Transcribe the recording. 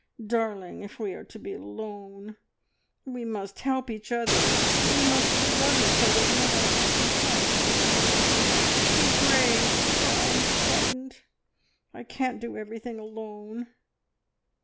Darling, if we are to be alone, we must help each other, we must love each other more! Oh, Esmeralda, be brave, for I am frightened I can't do everything alone!"